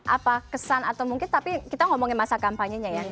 apa kesan atau mungkin tapi kita ngomongin masa kampanye nya ya